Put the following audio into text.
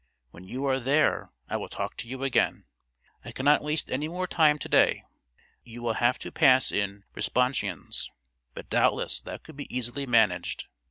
When you are there I will talk to you again. I cannot waste any more time to day. You will have to pass in Responsions; but doubtless that could be easily managed.